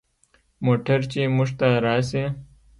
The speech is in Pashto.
موټر چې موږ ته راسي.